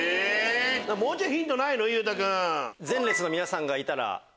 もうちょいヒントないの？